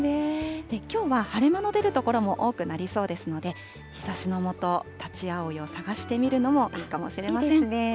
きょうは晴れ間の出る所も多くなりそうですので、日ざしの下、タチアオイを探してみるのもいいいいですね。